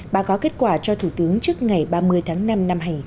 bà có kết quả cho thủ tướng trước ngày ba mươi tháng năm năm hai nghìn một mươi bảy